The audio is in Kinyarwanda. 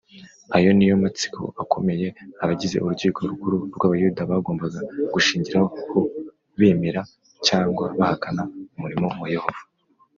. Ayo niyo matsiko akomeye abagize Urukiko Rukuru rw’Abayuda bagombaga gushingira ho bemera cyangwa bahakana umurimo wa Yohana